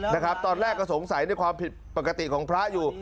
นะครับตอนแรกก็สงสัยในความผิดปกติของพระอยู่